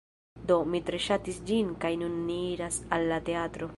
Do, mi tre ŝatis ĝin kaj nun ni iras al la teatro